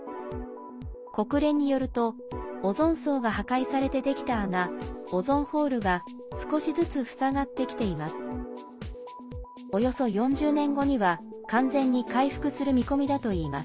国連によるとオゾン層が破壊されてできた穴オゾンホールが少しずつ塞がってきています。